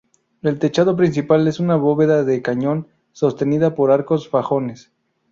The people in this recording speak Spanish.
El techado principal es una bóveda de cañón, sostenida por arcos fajones.